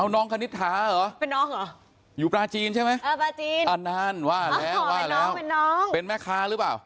น้องคณิษฐาหรออยู่ปลาจีนใช่ไหมอันนั้นว่าแล้วเป็นแม่ค้าหรือเปล่า